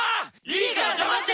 いいから黙って。